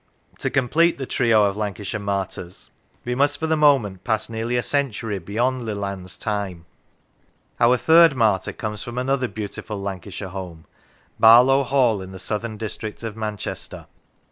To complete the trio of Lancashire martyrs we must, for the moment, pass nearly a century beyond Leland's 81 L Lancashire time. Our third martyr comes from another beautiful Lancashire home, Barlow Hall, in the southern district of Manchester.